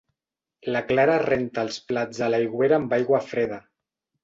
La Clara renta els plats a l'aigüera amb aigua freda.